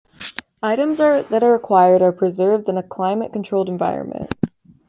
Items that are acquired are preserved in a climate-controlled environment.